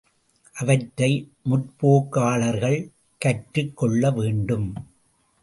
அவற்றை முற்போக்காளர்கள் கற்றுக் கொள்ள வேண்டும்.